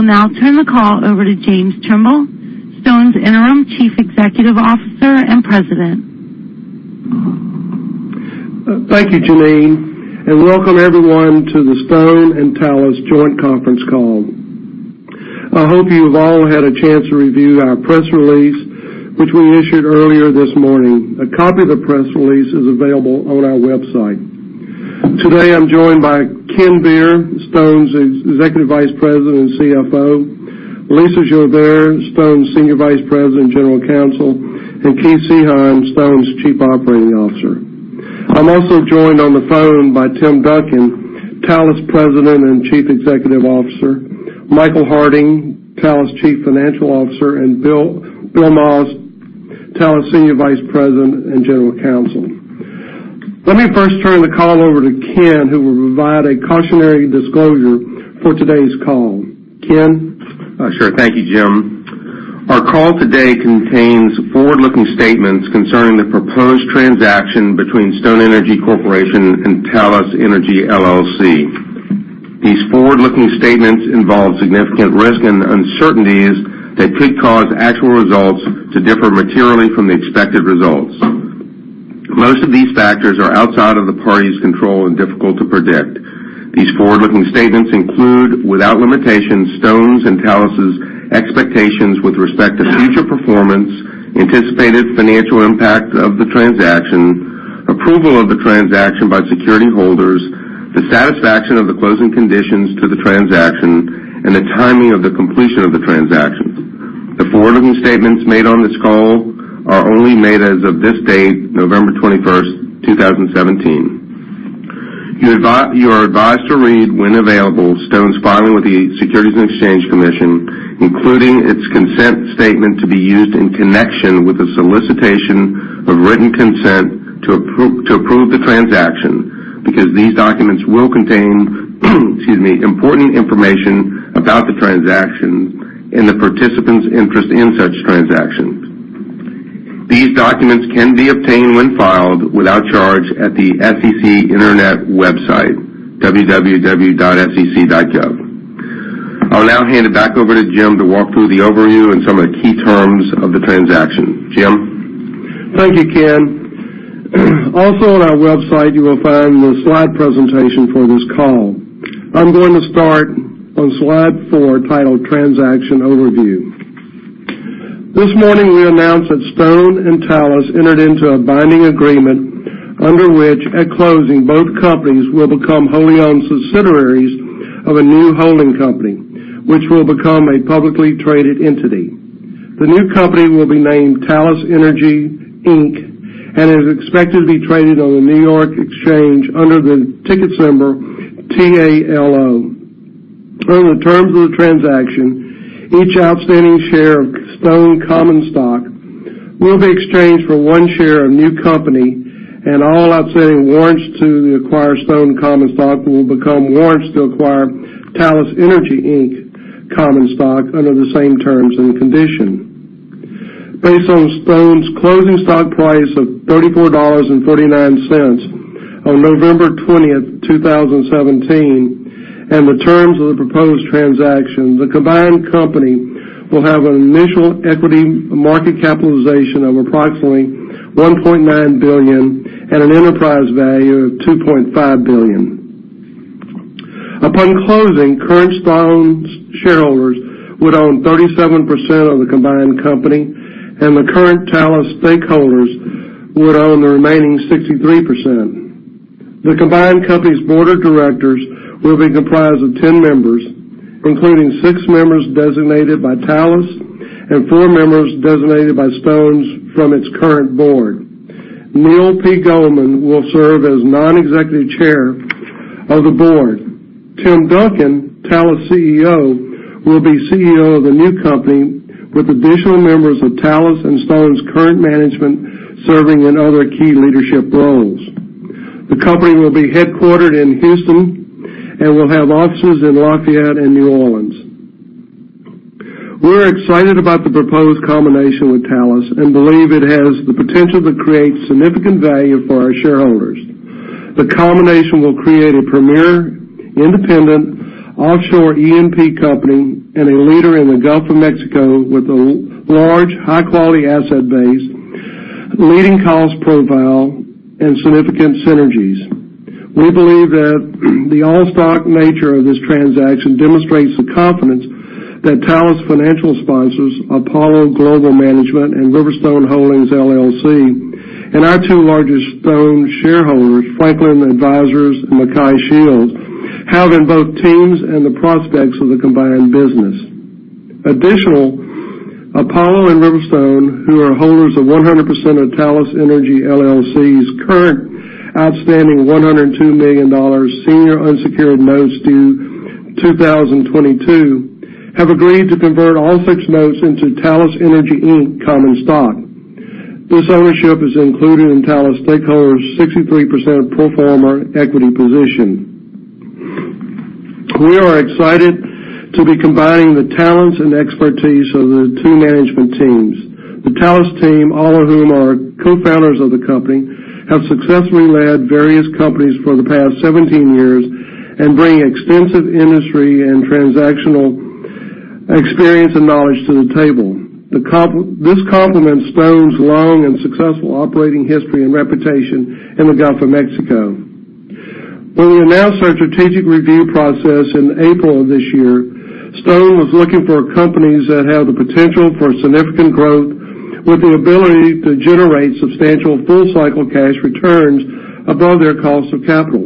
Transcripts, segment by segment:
I will now turn the call over to James Trimble, Stone's Interim Chief Executive Officer and President. Thank you, Janine, and welcome everyone to the Stone and Talos joint conference call. I hope you have all had a chance to review our press release, which we issued earlier this morning. A copy of the press release is available on our website. Today, I'm joined by Ken Beer, Stone's Executive Vice President and CFO, Lisa Jovert, Stone's Senior Vice President, General Counsel, and Keith Seilhan, Stone's Chief Operating Officer. I'm also joined on the phone by Tim Duncan, Talos President and Chief Executive Officer, Michael Harding, Talos' Chief Financial Officer, and Bill Moss, Talos Senior Vice President and General Counsel. Let me first turn the call over to Ken, who will provide a cautionary disclosure for today's call. Ken? Sure. Thank you, Jim. Our call today contains forward-looking statements concerning the proposed transaction between Stone Energy Corporation and Talos Energy LLC. These forward-looking statements involve significant risks and uncertainties that could cause actual results to differ materially from the expected results. Most of these factors are outside of the parties' control and difficult to predict. These forward-looking statements include, without limitation, Stone's and Talos' expectations with respect to future performance, anticipated financial impact of the transaction, approval of the transaction by security holders, the satisfaction of the closing conditions to the transaction, and the timing of the completion of the transaction. The forward-looking statements made on this call are only made as of this date, November 21st, 2017. You are advised to read, when available, Stone's filing with the Securities and Exchange Commission, including its consent statement to be used in connection with the solicitation of written consent to approve the transaction, because these documents will contain excuse me, important information about the transaction and the participants' interest in such transactions. These documents can be obtained when filed without charge at the SEC internet website, www.sec.gov. I'll now hand it back over to Jim to walk through the overview and some of the key terms of the transaction. Jim? Thank you, Ken. Also on our website, you will find the slide presentation for this call. I'm going to start on slide four, titled Transaction Overview. This morning, we announced that Stone and Talos entered into a binding agreement under which, at closing, both companies will become wholly owned subsidiaries of a new holding company, which will become a publicly traded entity. The new company will be named Talos Energy, Inc., and is expected to be traded on the New York Stock Exchange under the ticker symbol TALO. Under the terms of the transaction, each outstanding share of Stone common stock will be exchanged for one share of new company and all outstanding warrants to acquire Stone common stock will become warrants to acquire Talos Energy, Inc. common stock under the same terms and conditions. Based on Stone's closing stock price of $34.39 on November 20, 2017, and the terms of the proposed transaction, the combined company will have an initial equity market capitalization of approximately $1.9 billion and an enterprise value of $2.5 billion. Upon closing, current Stone shareholders would own 37% of the combined company, and the current Talos stakeholders would own the remaining 63%. The combined company's board of directors will be comprised of 10 members, including six members designated by Talos and four members designated by Stone from its current board. Neal P. Goldman will serve as non-executive chair of the board. Tim Duncan, Talos' CEO, will be CEO of the new company with additional members of Talos and Stone's current management serving in other key leadership roles. The company will be headquartered in Houston and will have offices in Lafayette and New Orleans. We're excited about the proposed combination with Talos and believe it has the potential to create significant value for our shareholders. The combination will create a premier independent offshore E&P company and a leader in the Gulf of Mexico with a large, high-quality asset base, leading cost profile, and significant synergies. We believe that the all-stock nature of this transaction demonstrates the confidence that Talos financial sponsors, Apollo Global Management and Riverstone Holdings LLC, and our two largest Stone shareholders, Franklin Advisers and MacKay Shields, have in both teams and the prospects of the combined business. Additionally, Apollo and Riverstone, who are holders of 100% of Talos Energy LLC's current outstanding $102 million senior unsecured notes due 2022, have agreed to convert all six notes into Talos Energy Inc. common stock. This ownership is included in Talos stakeholders' 63% pro forma equity position. We are excited to be combining the talents and expertise of the two management teams. The Talos team, all of whom are co-founders of the company, have successfully led various companies for the past 17 years and bring extensive industry and transactional experience and knowledge to the table. This complements Stone's long and successful operating history and reputation in the Gulf of Mexico. When we announced our strategic review process in April of this year, Stone was looking for companies that have the potential for significant growth with the ability to generate substantial full-cycle cash returns above their cost of capital.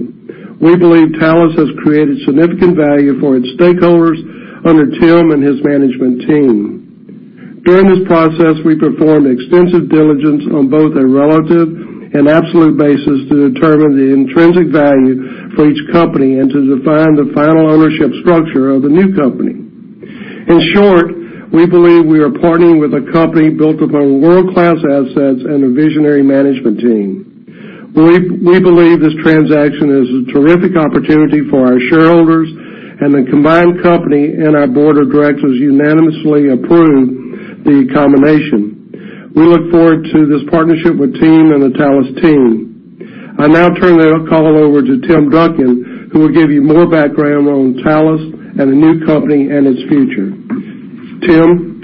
We believe Talos has created significant value for its stakeholders under Tim and his management team. During this process, we performed extensive diligence on both a relative and absolute basis to determine the intrinsic value for each company and to define the final ownership structure of the new company. In short, we believe we are partnering with a company built upon world-class assets and a visionary management team. We believe this transaction is a terrific opportunity for our shareholders and the combined company, and our board of directors unanimously approved the combination. We look forward to this partnership with Tim and the Talos team. I now turn the call over to Tim Duncan, who will give you more background on Talos and the new company and its future. Tim?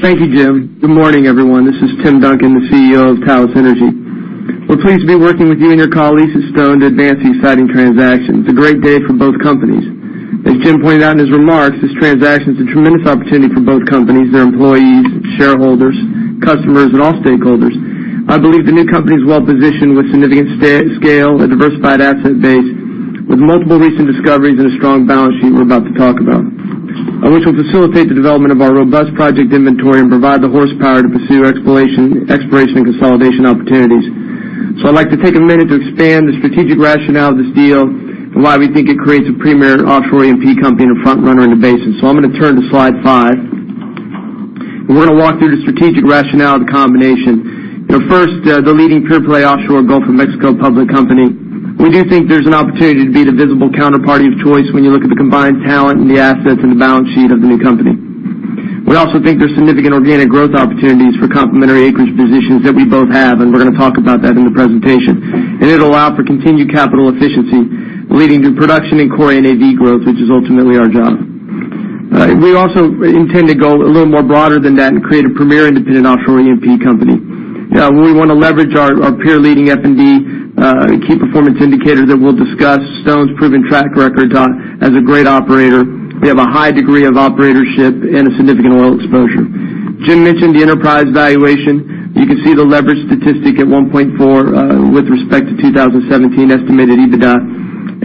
Thank you, Jim. Good morning, everyone. This is Tim Duncan, the CEO of Talos Energy. We're pleased to be working with you and your colleagues at Stone to advance the exciting transaction. It's a great day for both companies. As Jim pointed out in his remarks, this transaction is a tremendous opportunity for both companies, their employees, shareholders, customers, and all stakeholders. I believe the new company is well-positioned with significant scale, a diversified asset base with multiple recent discoveries, and a strong balance sheet we're about to talk about, which will facilitate the development of our robust project inventory and provide the horsepower to pursue exploration and consolidation opportunities. I'd like to take a minute to expand the strategic rationale of this deal and why we think it creates a premier offshore E&P company and a front-runner in the basin. I'm going to turn to slide five, and we're going to walk through the strategic rationale of the combination. First, the leading pure-play offshore Gulf of Mexico public company. We do think there's an opportunity to be the visible counterparty of choice when you look at the combined talent and the assets and the balance sheet of the new company. We also think there's significant organic growth opportunities for complementary acreage positions that we both have, and we're going to talk about that in the presentation. It'll allow for continued capital efficiency, leading to production in core NAV growth, which is ultimately our job. We also intend to go a little more broader than that and create a premier independent offshore E&P company. We want to leverage our peer-leading F&D key performance indicator that we'll discuss, Stone's proven track record as a great operator. We have a high degree of operatorship and a significant oil exposure. Jim mentioned the enterprise valuation. You can see the leverage statistic at 1.4 with respect to 2017 estimated EBITDA,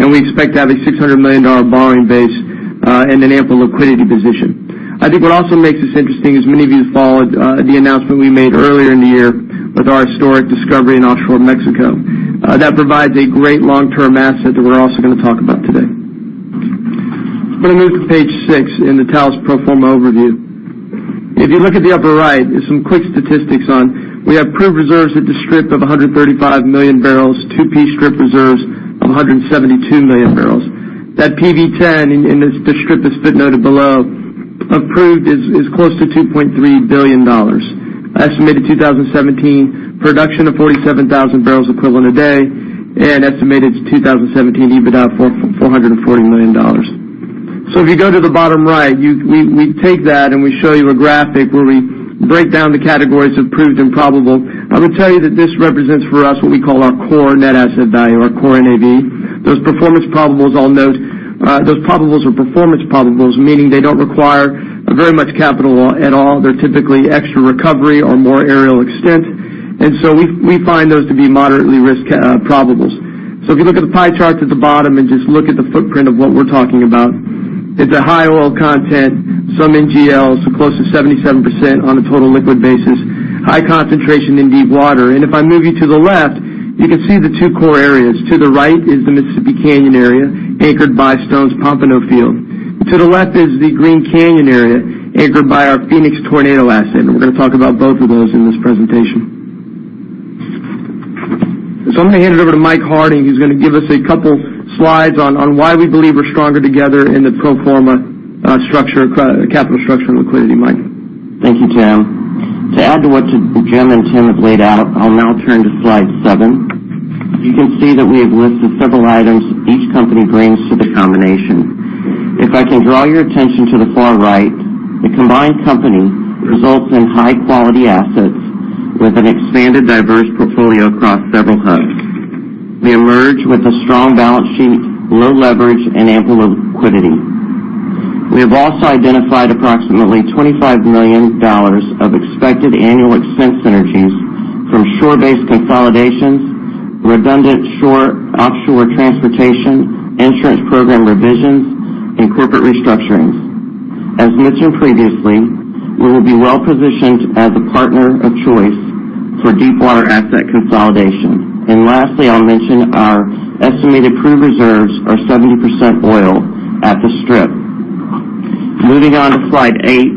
and we expect to have a $600 million borrowing base and an ample liquidity position. I think what also makes this interesting is many of you followed the announcement we made earlier in the year with our historic discovery in offshore Mexico. That provides a great long-term asset that we're also going to talk about today. I'm going to move to page six in the Talos pro forma overview. If you look at the upper right, there's some quick statistics on. We have proved reserves at the strip of 135 million barrels, 2P strip reserves of 172 million barrels. That PV-10 in the strip that's footnoted below of proved is close to $2.3 billion. Estimated 2017 production of 47,000 barrels equivalent a day, estimated 2017 EBITDA for $440 million. If you go to the bottom right, we take that, we show you a graphic where we break down the categories of proved and probable. I would tell you that this represents for us what we call our core net asset value, or core NAV. Those performance probables I'll note. Those probables are performance probables, meaning they don't require very much capital at all. They're typically extra recovery or more aerial extent, we find those to be moderately risked probables. If you look at the pie charts at the bottom and just look at the footprint of what we're talking about, it's a high oil content, some NGLs, close to 77% on a total liquid basis, high concentration in deepwater. If I move you to the left, you can see the two core areas. To the right is the Mississippi Canyon area, anchored by Stone's Pompano field. To the left is the Green Canyon area, anchored by our Phoenix Tornado asset, we're going to talk about both of those in this presentation. I'm going to hand it over to Mike Harding, who's going to give us a couple slides on why we believe we're stronger together in the pro forma capital structure and liquidity. Mike? Thank you, Tim. To add to what Jim and Tim have laid out, I'll now turn to slide seven. You can see that we have listed several items each company brings to the combination. If I can draw your attention to the far right, the combined company results in high-quality assets with an expanded diverse portfolio across several hubs. We emerge with a strong balance sheet, low leverage, ample liquidity. We have also identified approximately $25 million of expected annual expense synergies from shore-based consolidations, redundant shore/offshore transportation, insurance program revisions, and corporate restructurings. As mentioned previously, we will be well-positioned as a partner of choice for deepwater asset consolidation. Lastly, I'll mention our estimated proved reserves are 70% oil at the strip. Moving on to slide eight,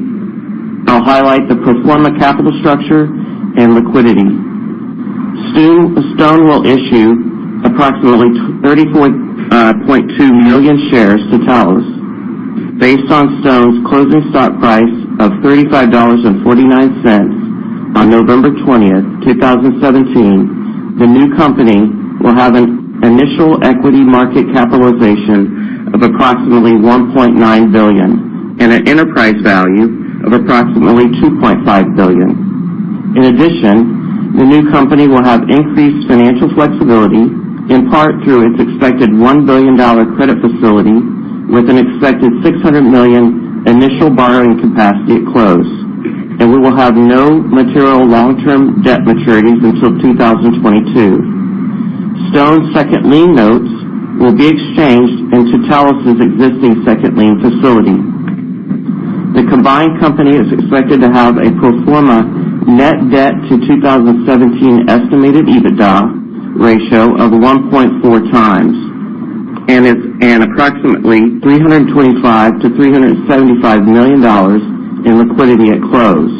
I'll highlight the pro forma capital structure and liquidity. Stone will issue approximately 30.2 million shares to Talos based on Stone's closing stock price of $35.49 on November 20, 2017. The new company will have an initial equity market capitalization of approximately $1.9 billion and an enterprise value of approximately $2.5 billion. In addition, the new company will have increased financial flexibility, in part through its expected $1 billion credit facility with an expected $600 million initial borrowing capacity at close. We will have no material long-term debt maturities until 2022. Stone's second lien notes will be exchanged into Talos' existing second lien facility. The combined company is expected to have a pro forma net debt to 2017 estimated EBITDA ratio of 1.4 times and approximately $325 million to $375 million in liquidity at close.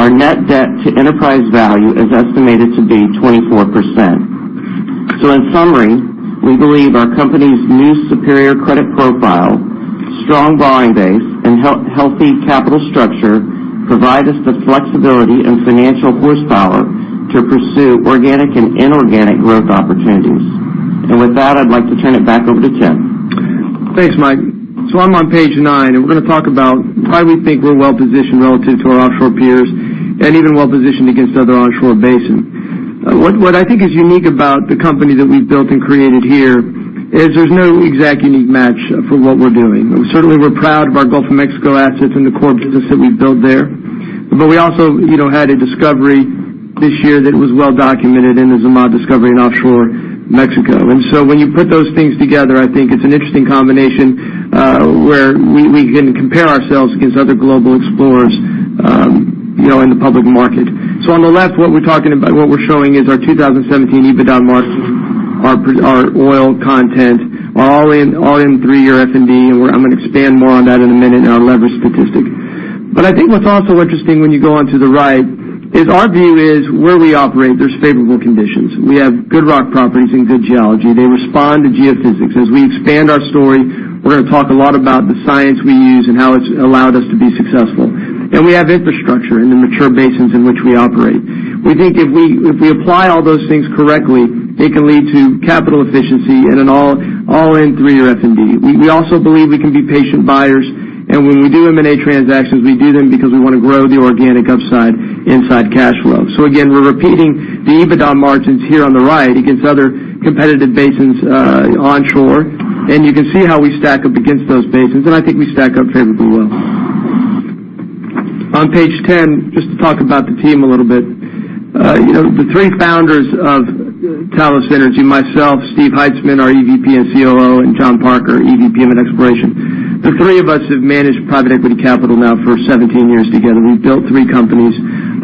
Our net debt to enterprise value is estimated to be 24%. In summary, we believe our company's new superior credit profile, strong borrowing base, and healthy capital structure provide us the flexibility and financial horsepower to pursue organic and inorganic growth opportunities. With that, I'd like to turn it back over to Tim. Thanks, Mike. I'm on page nine, we're going to talk about why we think we're well-positioned relative to our offshore peers and even well-positioned against other onshore basins. What I think is unique about the company that we've built and created here is there's no exact unique match for what we're doing. Certainly, we're proud of our Gulf of Mexico assets and the core business that we've built there. We also had a discovery this year that was well documented in the Zama discovery in offshore Mexico. When you put those things together, I think it's an interesting combination where we can compare ourselves against other global explorers in the public market. On the left, what we're showing is our 2017 EBITDA margins, our oil content, our all-in three-year F&D, I'm going to expand more on that in a minute, our leverage statistic. I think what's also interesting when you go onto the right is our view is where we operate, there's favorable conditions. We have good rock properties and good geology. They respond to geophysics. As we expand our story, we're going to talk a lot about the science we use and how it's allowed us to be successful. We have infrastructure in the mature basins in which we operate. We think if we apply all those things correctly, it can lead to capital efficiency and an all-in three-year F&D. We also believe we can be patient buyers, when we do M&A transactions, we do them because we want to grow the organic upside inside cash flow. Again, we're repeating the EBITDA margins here on the right against other competitive basins onshore. You can see how we stack up against those basins, and I think we stack up favorably well. On page 10, just to talk about the team a little bit. The three founders of Talos Energy, myself, Steve Heitzman, our EVP and COO, John Parker, EVP of Exploration. The three of us have managed private equity capital now for 17 years together. We've built three companies.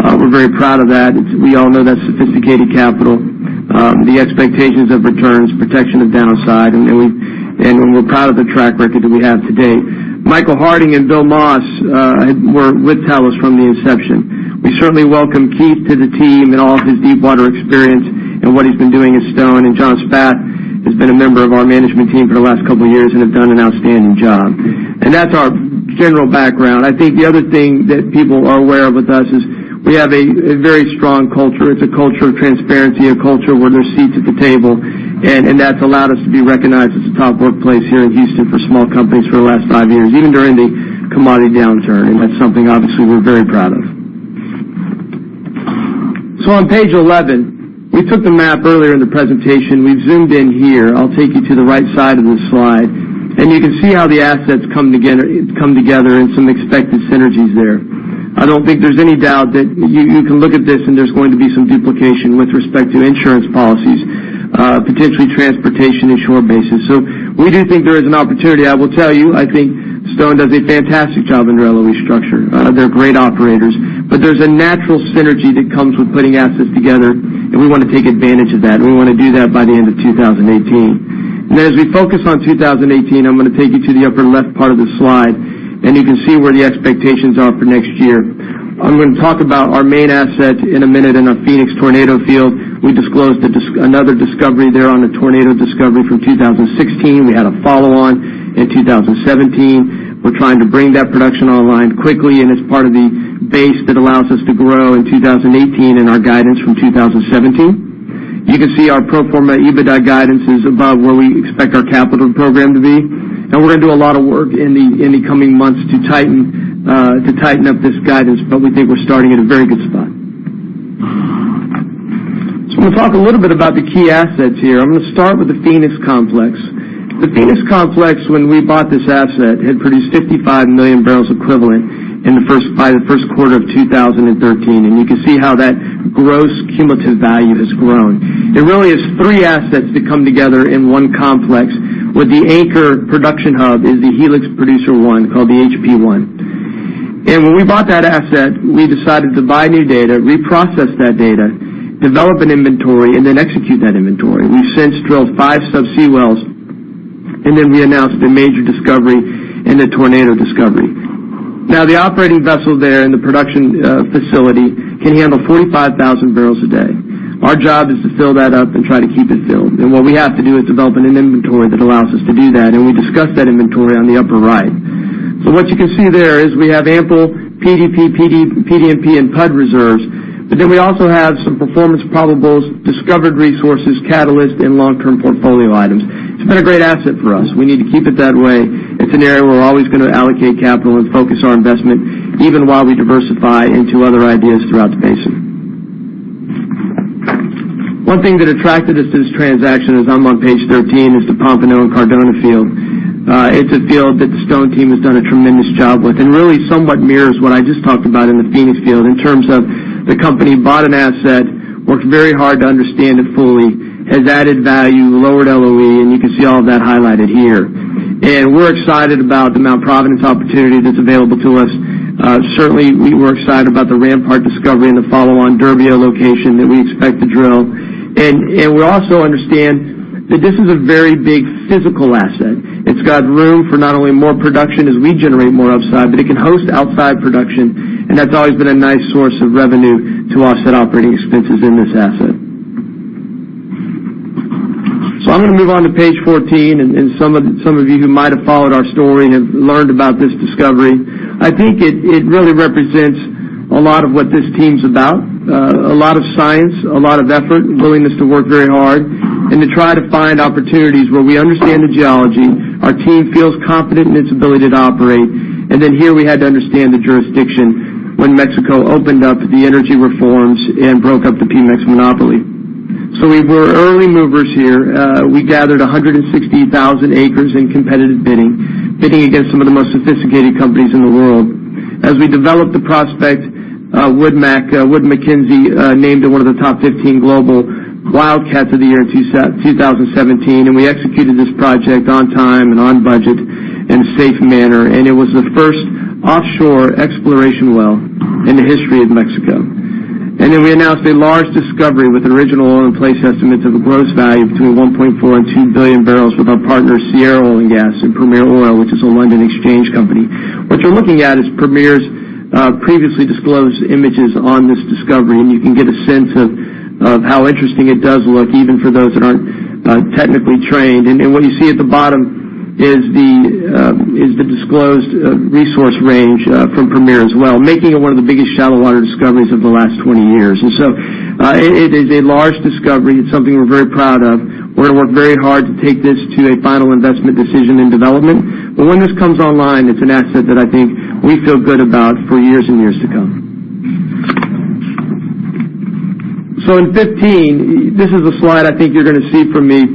We're very proud of that. We all know that's sophisticated capital. The expectations of returns, protection of downside, we're proud of the track record that we have to date. Michael Harding and Bill Moss were with Talos Energy from the inception. We certainly welcome Keith to the team and all of his deepwater experience and what he's been doing at Stone Energy Corporation. John Spath has been a member of our management team for the last couple of years and have done an outstanding job. That's our general background. I think the other thing that people are aware of with us is we have a very strong culture. It's a culture of transparency, a culture where there's seats at the table, and that's allowed us to be recognized as a top workplace here in Houston for small companies for the last five years, even during the commodity downturn. That's something obviously we're very proud of. On page 11, we took the map earlier in the presentation. We've zoomed in here. I'll take you to the right side of this slide, and you can see how the assets come together and some expected synergies there. I don't think there's any doubt that you can look at this and there's going to be some duplication with respect to insurance policies, potentially transportation and shore bases. We do think there is an opportunity. I will tell you, I think Stone Energy Corporation does a fantastic job in their LOE structure. They're great operators. There's a natural synergy that comes with putting assets together, and we want to take advantage of that, and we want to do that by the end of 2018. As we focus on 2018, I'm going to take you to the upper left part of the slide, and you can see where the expectations are for next year. I'm going to talk about our main asset in a minute in our Phoenix Tornado field. We disclosed another discovery there on the Tornado discovery from 2016. We had a follow-on in 2017. We're trying to bring that production online quickly, and it's part of the base that allows us to grow in 2018 in our guidance from 2017. You can see our pro forma EBITDA guidance is above where we expect our capital program to be. We're going to do a lot of work in the coming months to tighten up this guidance, but we think we're starting at a very good spot. I'm going to talk a little bit about the key assets here. I'm going to start with the Phoenix Complex. The Phoenix Complex, when we bought this asset, had produced 55 million barrels equivalent by the first quarter of 2013, and you can see how that gross cumulative value has grown. It really is three assets that come together in one complex, where the anchor production hub is the Helix Producer I, called the HP1. When we bought that asset, we decided to buy new data, reprocess that data, develop an inventory, and then execute that inventory. We've since drilled five subsea wells. We announced a major discovery in the Tornado discovery. Now, the operating vessel there and the production facility can handle 45,000 barrels a day. Our job is to fill that up and try to keep it filled. What we have to do is develop an inventory that allows us to do that, and we discussed that inventory on the upper right. What you can see there is we have ample PDP, PDNP, and PUD reserves. We also have some performance probables, discovered resources, catalyst, and long-term portfolio items. It's been a great asset for us. We need to keep it that way. It's an area we're always going to allocate capital and focus our investment, even while we diversify into other ideas throughout the basin. One thing that attracted us to this transaction, as I'm on page 13, is the Pompano and Cardona field. It's a field that the Stone team has done a tremendous job with, and really somewhat mirrors what I just talked about in the Phoenix field in terms of the company bought an asset, worked very hard to understand it fully, has added value, lowered LOE, and you can see all of that highlighted here. We're excited about the Mount Providence opportunity that's available to us. Certainly, we were excited about the Rampart discovery and the follow-on Derbio location that we expect to drill. We also understand that this is a very big physical asset. It's got room for not only more production as we generate more upside, but it can host outside production, and that's always been a nice source of revenue to offset operating expenses in this asset. I'm going to move on to page 14, and some of you who might have followed our story have learned about this discovery. I think it really represents a lot of what this team's about. A lot of science, a lot of effort, and willingness to work very hard, and to try to find opportunities where we understand the geology. Our team feels confident in its ability to operate. Here, we had to understand the jurisdiction when Mexico opened up the energy reforms and broke up the PEMEX monopoly. We were early movers here. We gathered 160,000 acres in competitive bidding against some of the most sophisticated companies in the world. As we developed the prospect, Wood Mackenzie named it one of the top 15 global wildcats of the year in 2017. We executed this project on time and on budget in a safe manner, and it was the first offshore exploration well in the history of Mexico. We announced a large discovery with an original oil in place estimate of a gross value between 1.4 and 2 billion barrels with our partner, Sierra Oil and Gas, and Premier Oil, which is a London Exchange company. What you're looking at is Premier's previously disclosed images on this discovery. You can get a sense of how interesting it does look, even for those that aren't technically trained. What you see at the bottom is the disclosed resource range from Premier as well, making it one of the biggest shallow water discoveries of the last 20 years. It is a large discovery. It's something we're very proud of. We're going to work very hard to take this to a final investment decision in development. When this comes online, it's an asset that I think we feel good about for years and years to come. On 15, this is a slide I think you're going to see from me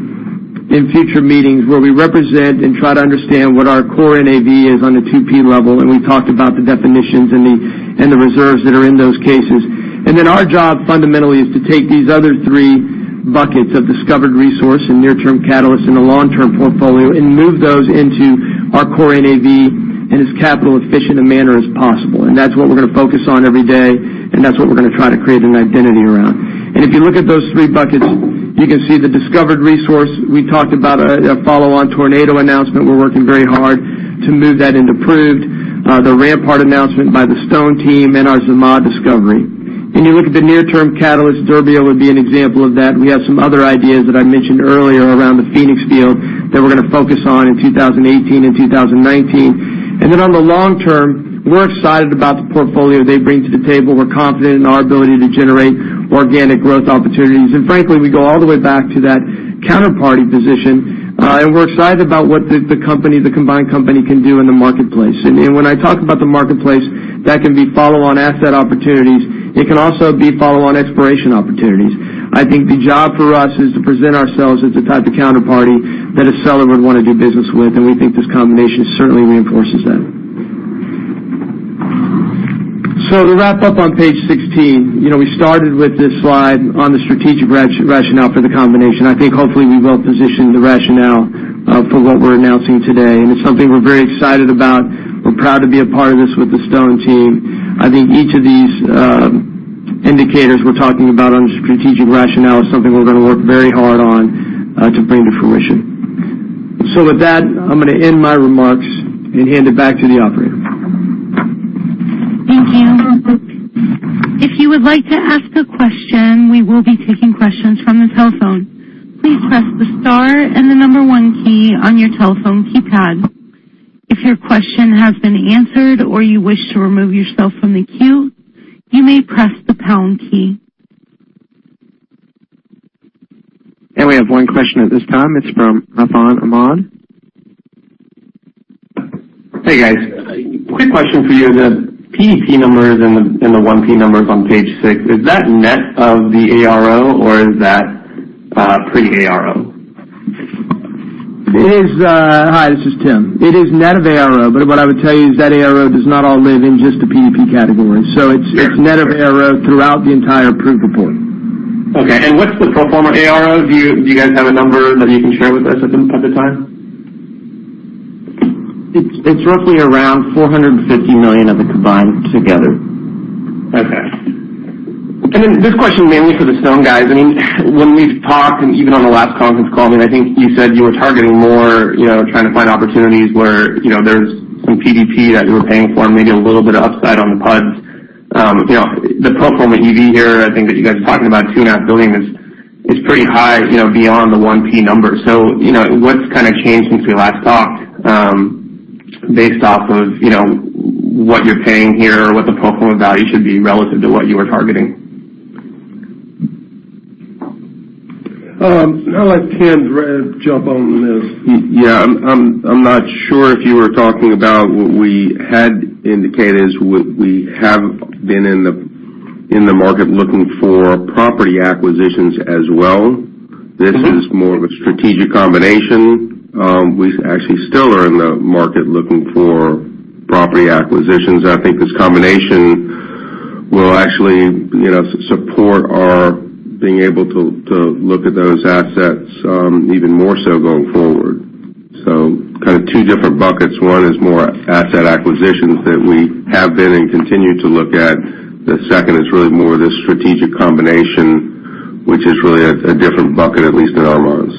in future meetings where we represent and try to understand what our core NAV is on a 2P level, and we talked about the definitions and the reserves that are in those cases. Our job, fundamentally, is to take these other three buckets of discovered resource and near-term catalyst and the long-term portfolio and move those into our core NAV in as capital efficient a manner as possible. That's what we're going to focus on every day, and that's what we're going to try to create an identity around. If you look at those three buckets, you can see the discovered resource. We talked about a follow on Tornado announcement. We're working very hard to move that into proved. The Rampart announcement by the Stone team and our Zama discovery. You look at the near-term catalyst, Derbio would be an example of that. We have some other ideas that I mentioned earlier around the Phoenix field that we're going to focus on in 2018 and 2019. On the long term, we're excited about the portfolio they bring to the table. We're confident in our ability to generate organic growth opportunities. Frankly, we go all the way back to that counterparty position, and we're excited about what the combined company can do in the marketplace. When I talk about the marketplace, that can be follow on asset opportunities. It can also be follow on exploration opportunities. I think the job for us is to present ourselves as the type of counterparty that a seller would want to do business with, and we think this combination certainly reinforces that. To wrap up on page 16. We started with this slide on the strategic rationale for the combination. I think hopefully we've well-positioned the rationale for what we're announcing today, and it's something we're very excited about. We're proud to be a part of this with the Stone team. I think each of these indicators we're talking about on the strategic rationale is something we're going to work very hard on to bring to fruition. With that, I'm going to end my remarks and hand it back to the operator. Thank you. If you would like to ask a question, we will be taking questions from the telephone. Please press the star and the number one key on your telephone keypad. If your question has been answered or you wish to remove yourself from the queue, you may press the pound key. We have one question at this time. It is from Affan Ahmed. Hey, guys. Quick question for you. The PDP numbers and the 1P numbers on page six, is that net of the ARO or is that pre-ARO? Hi, this is Tim. It is net of ARO, but what I would tell you is that ARO does not all live in just the PDP category. It is net of ARO throughout the entire proved report. Okay, what is the pro forma ARO? Do you guys have a number that you can share with us at the time? It's roughly around $450 million of it combined together. Okay. This question mainly for the Stone guys. When we've talked, even on the last conference call, I think you said you were targeting more, trying to find opportunities where there's some PDP that you were paying for and maybe a little bit of upside on the PUDs. The pro forma EV here, I think that you guys are talking about $2.5 billion is pretty high, beyond the 1P number. What's changed since we last talked, based off of what you're paying here or what the pro forma value should be relative to what you were targeting? I'll let Tim jump on this. Yeah. I'm not sure if you were talking about what we had indicated, is we have been in the market looking for property acquisitions as well. This is more of a strategic combination. We actually still are in the market looking for property acquisitions, and I think this combination will actually support our being able to look at those assets, even more so going forward. Two different buckets. One is more asset acquisitions that we have been and continue to look at. The second is really more of the strategic combination, which is really a different bucket, at least in our minds.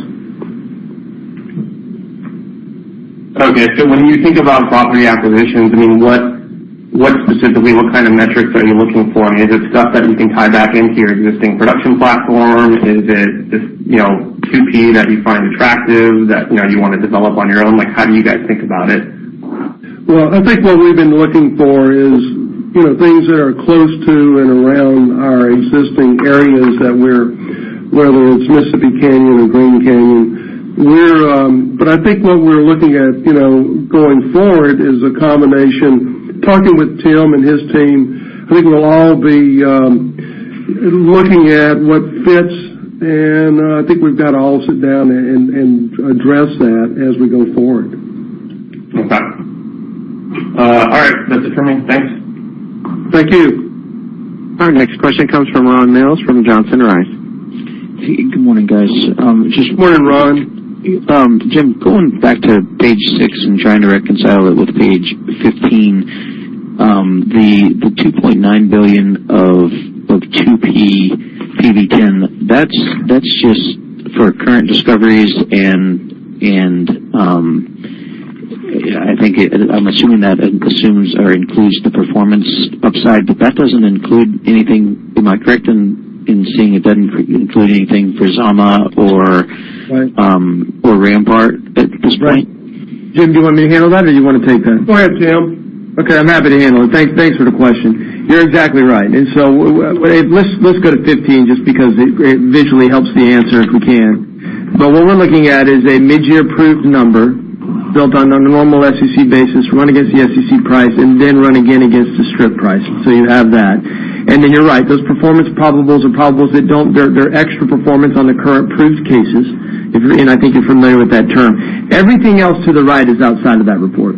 Okay. When you think about property acquisitions, what specifically, what kind of metrics are you looking for? Is it stuff that you can tie back into your existing production platforms? Is it just 2P that you find attractive that you want to develop on your own? How do you guys think about it? Well, I think what we've been looking for is things that are close to and around our existing areas that we're, whether it's Mississippi Canyon or Green Canyon. I think what we're looking at going forward is a combination. Talking with Tim and his team, I think we'll all be looking at what fits, and I think we've got to all sit down and address that as we go forward. Okay. All right. That's it for me. Thanks. Thank you. Our next question comes from Ron Mills from Johnson Rice. Good morning, guys. Good morning, Ron. Jim, going back to page six and trying to reconcile it with page 15. The $2.9 billion of 2P PV-10, that's just for current discoveries, and I'm assuming that assumes or includes the performance upside. That doesn't include anything, am I correct in seeing it doesn't include anything for Zama or. Right or Rampart at this point? Right. Jim, do you want me to handle that or do you want to take that? Go ahead, Tim. Okay. I'm happy to handle it. Thanks for the question. You're exactly right. Let's go to 15 just because it visually helps the answer, if we can. What we're looking at is a mid-year proved number built on a normal SEC basis, run against the SEC price, and then run again against the strip price. You have that. You're right, those performance probables are probables, they're extra performance on the current proved cases, and I think you're familiar with that term. Everything else to the right is outside of that report.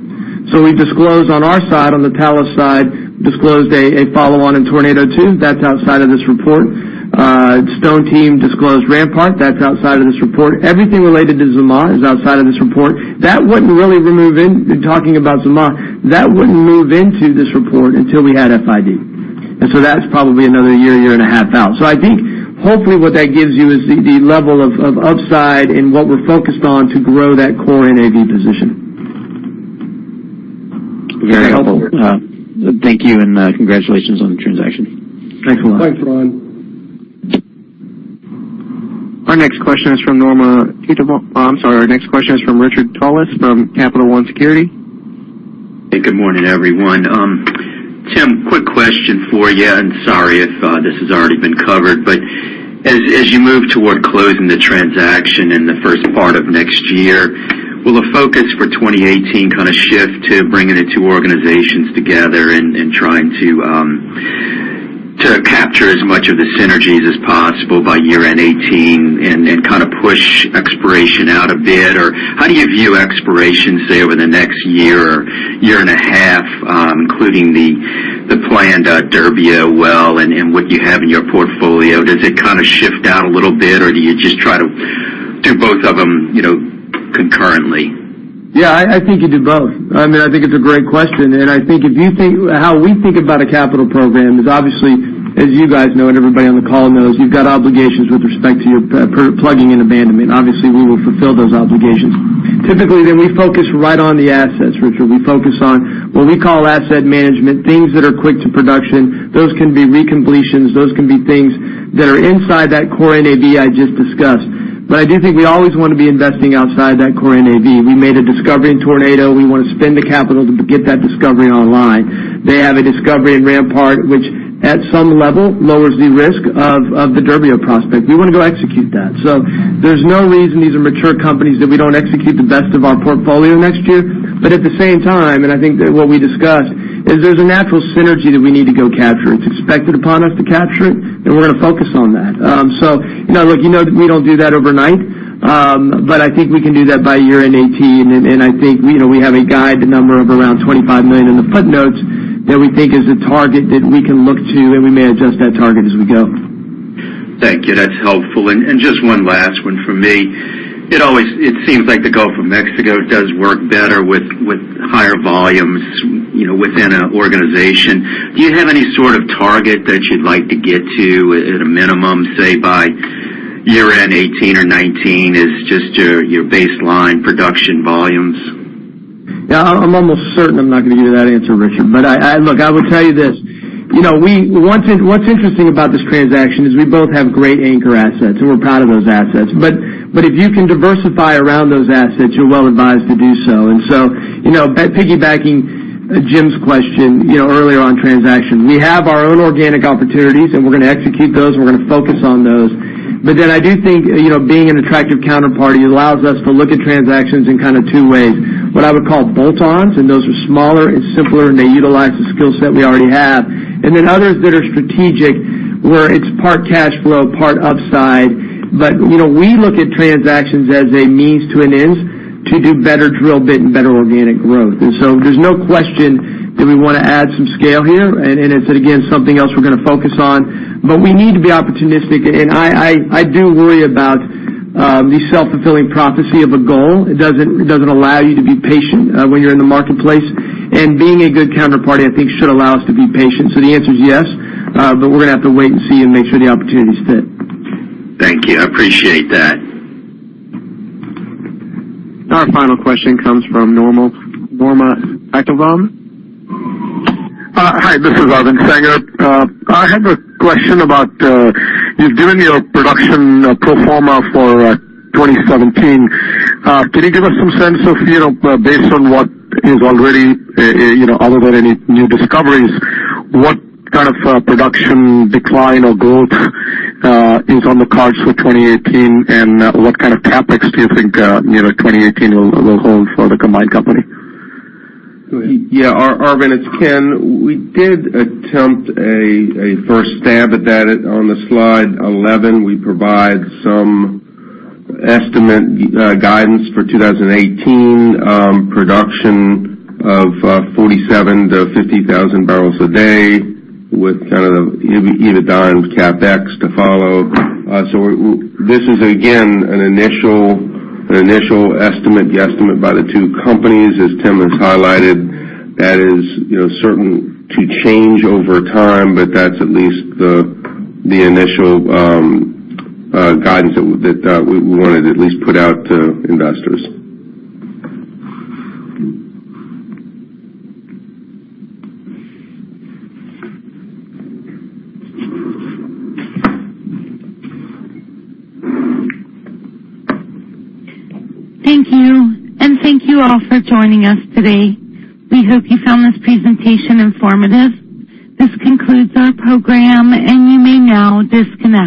We disclosed on our side, on the Talos side, disclosed a follow-on in Tornado Two. That's outside of this report. Stone team disclosed Rampart. That's outside of this report. Everything related to Zama is outside of this report. That wouldn't really, talking about Zama, that wouldn't move into this report until we had FID. That's probably another year and a half out. I think hopefully what that gives you is the level of upside and what we're focused on to grow that core NAV position. Very helpful. Thank you, and congratulations on the transaction. Thanks, Ron. Thanks, Ron. Our next question is from Richard Tullis from Capital One Securities. Hey, good morning, everyone. Tim, quick question for you, and sorry if this has already been covered, but as you move toward closing the transaction in the first part of next year, will the focus for 2018 shift to bringing the two organizations together and trying to capture as much of the synergies as possible by year-end 2018 and then push exploration out a bit? Or how do you view exploration, say, over the next year or year and a half, including the planned Derbio well and what you have in your portfolio? Does it shift out a little bit, or do you just try to do both of them concurrently? I think you do both. I think it's a great question, and I think if you think how we think about a capital program is obviously, as you guys know, and everybody on the call knows, you've got obligations with respect to your plugging and abandonment. Obviously, we will fulfill those obligations. Typically, we focus right on the assets, Richard. We focus on what we call asset management, things that are quick to production. Those can be recompletions. Those can be things that are inside that core NAV I just discussed. I do think we always want to be investing outside that core NAV. We made a discovery in Tornado. We want to spend the capital to get that discovery online. They have a discovery in Rampart, which at some level lowers the risk of the Derbio prospect. We want to go execute that. There's no reason these are mature companies that we don't execute the best of our portfolio next year. At the same time, I think that what we discussed is there's a natural synergy that we need to go capture. It's expected upon us to capture it, we're going to focus on that. You know that we don't do that overnight, but I think we can do that by year-end 2018, I think we have a guided number of around $25 million in the footnotes that we think is a target that we can look to, we may adjust that target as we go. Thank you. That's helpful. Just one last one from me. It seems like the Gulf of Mexico does work better with higher volumes within an organization. Do you have any sort of target that you'd like to get to at a minimum, say, by year-end 2018 or 2019 as just your baseline production volumes? Yeah, I'm almost certain I'm not going to give you that answer, Richard. Look, I will tell you this. What's interesting about this transaction is we both have great anchor assets. We're proud of those assets. If you can diversify around those assets, you're well-advised to do so. Piggybacking Jim's question earlier on transactions, we have our own organic opportunities, and we're going to execute those, and we're going to focus on those. I do think being an attractive counterparty allows us to look at transactions in kind of two ways. What I would call bolt-ons, and those are smaller and simpler, and they utilize the skill set we already have. Others that are strategic, where it's part cash flow, part upside. We look at transactions as a means to an end to do better drill bit and better organic growth. There's no question that we want to add some scale here, and it's, again, something else we're going to focus on. We need to be opportunistic, and I do worry about the self-fulfilling prophecy of a goal. It doesn't allow you to be patient when you're in the marketplace. Being a good counterparty, I think, should allow us to be patient. The answer is yes, but we're going to have to wait and see and make sure the opportunities fit. Thank you. I appreciate that. Our final question comes from Arvind Sanger. Hi, this is Arvind Sanger. I have a question about, you've given your production pro forma for 2017. Can you give us some sense of, based on what is already, other than any new discoveries, what kind of production decline or growth is on the cards for 2018? What kind of CapEx do you think 2018 will hold for the combined company? Go ahead. Yeah. Arvind, it's Ken. We did attempt a first stab at that on slide 11. We provide some estimate guidance for 2018 production of 47 to 50,000 barrels a day with kind of the either detailed CapEx to follow. This is, again, an initial estimate guesstimate by the two companies. As Tim has highlighted, that is certain to change over time, but that's at least the initial guidance that we wanted to at least put out to investors. Thank you. Thank you all for joining us today. We hope you found this presentation informative. This concludes our program, and you may now disconnect.